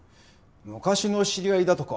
昔の知り合いだとか。